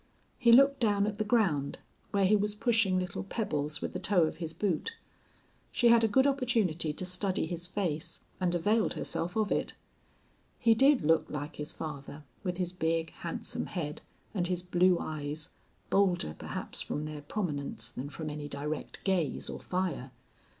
He looked down at the ground, where he was pushing little pebbles with the toe of his boot. She had a good opportunity to study his face, and availed herself of it. He did look like his father, with his big, handsome head, and his blue eyes, bolder perhaps from their prominence than from any direct gaze or fire.